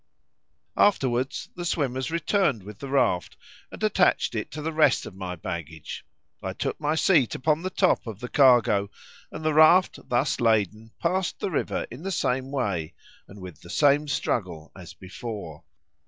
Afterwards the swimmers returned with the raft, and attached to it the rest of my baggage. I took my seat upon the top of the cargo, and the raft thus laden passed the river in the same way, and with the same struggle as before.